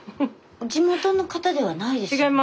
地元の方ではないですよね？